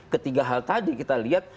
ketiga hal tadi kita lihat